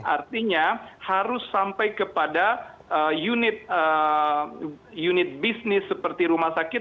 artinya harus sampai kepada unit bisnis seperti rumah sakit